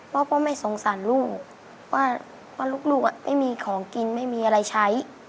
เพราะพ่อแม่สงสันลูกว่าลูกไม่มีของกินไม่มีอะไรใช้